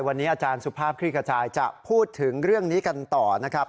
วันนี้อาจารย์สุภาพคลี่ขจายจะพูดถึงเรื่องนี้กันต่อนะครับ